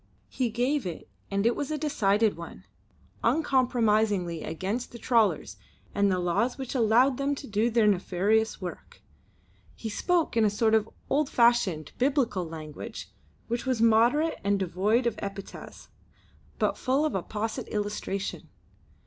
He gave it, and it was a decided one, uncompromisingly against the trawlers and the laws which allowed them to do their nefarious work. He spoke in a sort of old fashioned, biblical language which was moderate and devoid of epithets, but full of apposite illustration.